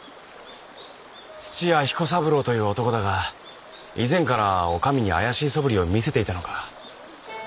屋彦三郎という男だが以前からおかみに怪しいそぶりを見せていたのか？